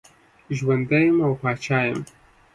ژوندی یم او پاچا یم.